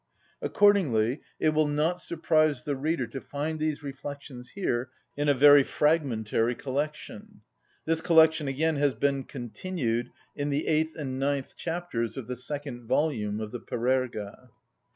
Accordingly it will not surprise the reader to find these reflections here in a very fragmentary collection. This collection again has been continued in the eighth and ninth chapters of the second volume of the Parerga.